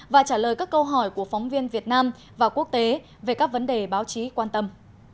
và trả lời các câu hỏi của phóng viên việt nam và quốc tế về các vấn đề báo chí quan tâm